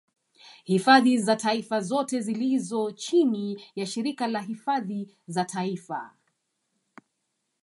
Hifadhi za taifa zote zilizo chini ya shirika la hifadhi za taifa